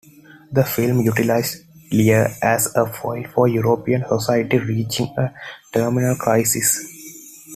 The film utilized "Lear" as a foil for European society reaching a terminal crisis.